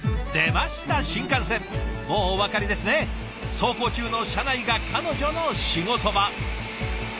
走行中の車内が彼女の仕事場。